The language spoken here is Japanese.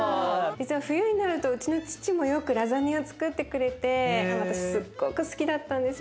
実は冬になるとうちの父もよくラザニアつくってくれて私すっごく好きだったんですよね。